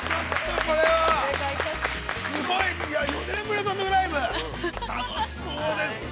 ◆４年ぶりの単独ライブ楽しそうですね。